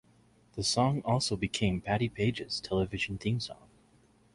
The song also became Patti Page's television theme song.